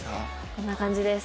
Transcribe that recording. こんな感じです